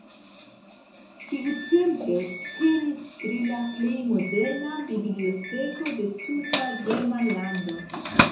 Tiutempe temis pri la plej moderna biblioteko de tuta Germanlando.